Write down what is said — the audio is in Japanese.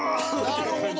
なるほど。